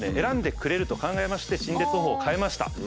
選んでくれると考えまして陳列方法を変えました。